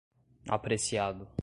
apreciado